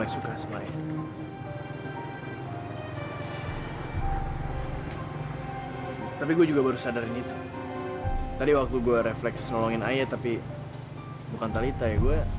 sampai jumpa di video selanjutnya